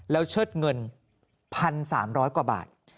แล้วเชิดเงิน๑๓๐๐กว่าบาท